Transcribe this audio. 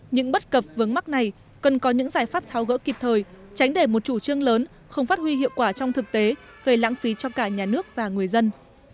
những bất cập vướng mắc này cần có những giải pháp tháo gỡ kịp thời tránh để một chủ trương lớn không phát huy hiệu quả trong thực tế gây lãng phí cho cả nhà nước và người dân